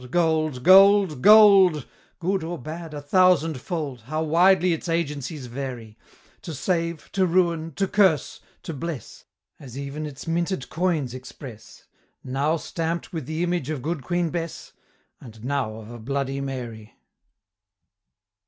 Gold! Gold! Gold: Good or bad a thousand fold! How widely its agencies vary To save to ruin to curse to bless As even its minted coins express, Now stamp'd with the image of Good Queen Bess, And now of a Bloody Mary.